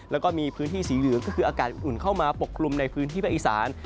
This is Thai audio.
แล้วก็มีพื้นที่สีเหลืองก็คืออากาศอุ่นเข้ามาปกคลุมในพื้นที่ภาคอีสาน